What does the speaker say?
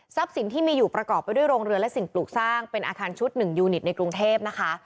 สินที่มีอยู่ประกอบไปด้วยโรงเรือและสิ่งปลูกสร้างเป็นอาคารชุดหนึ่งยูนิตในกรุงเทพนะคะ